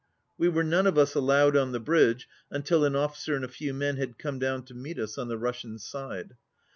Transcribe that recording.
We were none of us allowed on the bridge until an officer and a few men had come down to meet us on the Russian side.